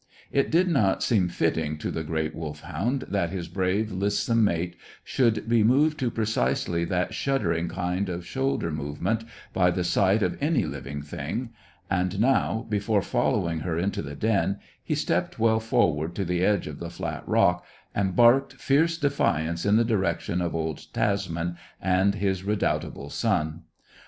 It did not seem fitting to the great Wolfhound that his brave, lissom mate should be moved to precisely that shuddering kind of shoulder movement by the sight of any living thing, and, now, before following her into the den, he stepped well forward to the edge of the flat rock and barked fierce defiance in the direction of old Tasman and his redoubtable son.